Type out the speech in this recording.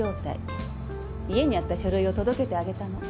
家にあった書類を届けてあげたの。